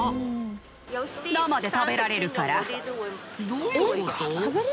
どういうこと？